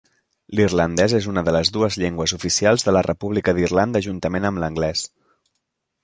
L'irlandès és una de les dues llengües oficials de la República d'Irlanda juntament amb l'anglès.